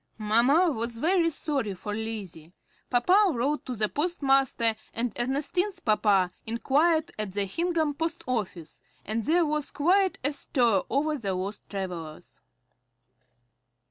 Mamma was very sorry for Lizzie. Papa wrote to the postmaster, and Ernestine's papa inquired at the Hingham post office, and there was quite a stir over the lost travellers.